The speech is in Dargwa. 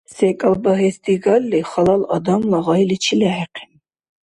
СекӀал багьес дигалли, халал адамла гъайличи лехӀихъен.